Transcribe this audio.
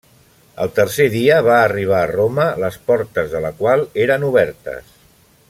El tercer dia va arribar a Roma, les portes de la qual eren obertes.